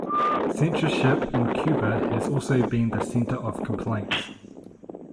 Censorship in Cuba has also been at the center of complaints.